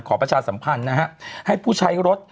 ประชาสัมพันธ์นะฮะให้ผู้ใช้รถ